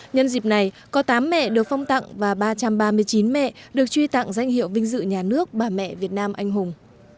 nhân dịp này có tám mẹ được phong tặng và ba trăm ba mươi chín mẹ được truy tặng danh hiệu vinh dự nhà nước bà mẹ việt nam anh hùng